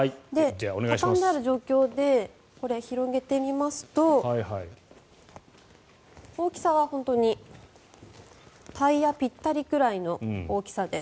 畳んである状況で広げてみますと大きさは本当にタイヤピッタリぐらいの大きさです。